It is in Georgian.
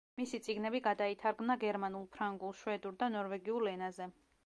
მისი წიგნები გადაითარგმნა გერმანულ, ფრანგულ, შვედურ და ნორვეგიულ ენაზე.